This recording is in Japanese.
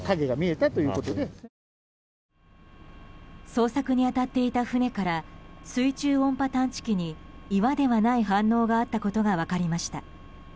捜索に当たっていた船から水中音波探知機に岩ではない反応があったことが分かりました。